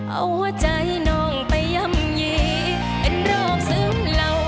เอาว่าใจนองไปยำยีเป็นโรคซึ้งเหล่า